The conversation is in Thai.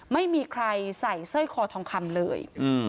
ไม่มีใครใส่สร้อยคอทองคำเลย